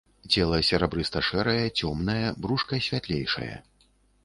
Цела серабрыста-шэрае, цёмнае, брушка святлейшае.